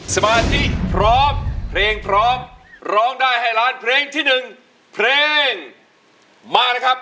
สมาธิพร้อมเพลงพร้อมร้องได้ให้ล้านเพลงที่๑เพลงมาเลยครับ